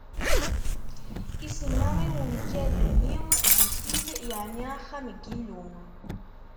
Isemma i umkad-nni Bitil, yeɛni Axxam n Yillu.